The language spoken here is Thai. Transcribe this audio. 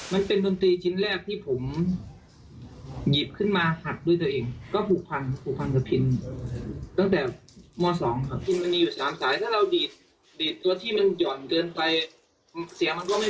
มันเป็นดนตรีชิ้นแรกที่ผมหยิบขึ้นมาหักด้วยตัวเองก็ผูกพันกับพินตั้งแต่ม๒ค่ะ